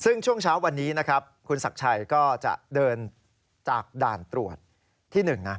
ซึ่งช่วงเสาร์วันนี้คุณสักชัยจะเดินจากด่านตรวจที่๑